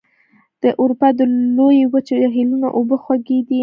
د اروپا د لویې وچې جهیلونو اوبه خوږې دي.